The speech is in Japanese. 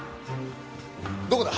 どこだ？